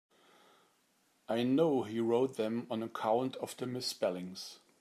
I know he wrote them on account of the misspellings.